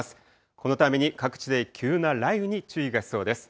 このために、各地で急な雷雨に注意が必要です。